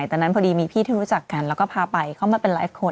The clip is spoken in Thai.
ตอนนั้นพอดีมีพี่ที่รู้จักกันแล้วก็พาไปเข้ามาเป็นหลายคน